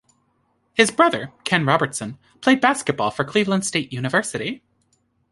His brother, Ken Robertson, played basketball for Cleveland State University.